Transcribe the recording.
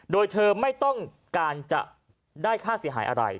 โดยเธอไม่ต้องการจะได้ค่าเสียหายอะไร